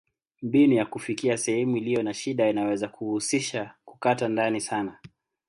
Mbinu ya kufikia sehemu iliyo na shida inaweza kuhusisha kukata ndani sana.